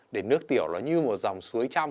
để nước tiểu nó như một dòng suối trong